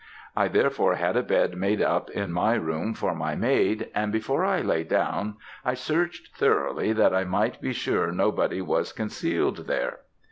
I therefore had a bed made up in my room for my maid; and before I lay down, I searched thoroughly, that I might be sure nobody was concealed there.